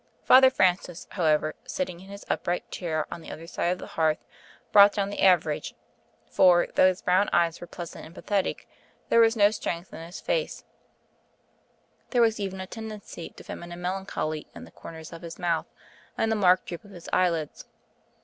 Father Francis, however, sitting in his upright chair on the other side of the hearth, brought down the average; for, though his brown eyes were pleasant and pathetic, there was no strength in his face; there was even a tendency to feminine melancholy in the corners of his mouth and the marked droop of his eyelids.